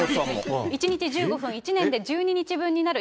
１日１５分、１年で１２日分になる。